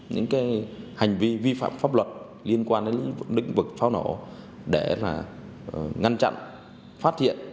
những hành vi vi phạm pháp luật liên quan đến lĩnh vực pháo nổ để ngăn chặn phát hiện